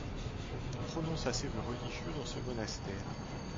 Il prononça ses vœux religieux dans ce monastère.